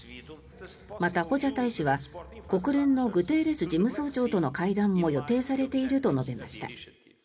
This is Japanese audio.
また、ホジャ大使は国連のグテーレス事務総長との会談も予定されていると述べました。